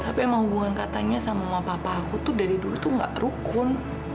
tapi emang hubungan katanya sama mama papa aku tuh dari dulu tuh gak terukun